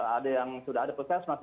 ada yang sudah ada puskesmas